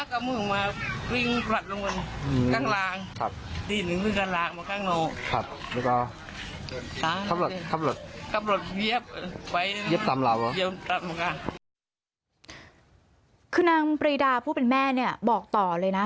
คือนางปรีดาผู้เป็นแม่เนี่ยบอกต่อเลยนะ